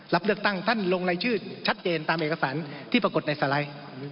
รับเลือกตั้งท่านลงรายชื่อชัดเจนตามเอกสารที่ปรากฏในสไลด์